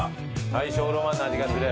大正ロマンの味がする。